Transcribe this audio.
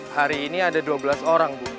hari ini ada dua belas orang bu